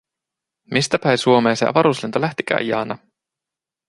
Mistä päi Suomee se avaruuslento lähtikää, Jaana?".